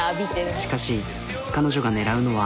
しかし彼女がねらうのは。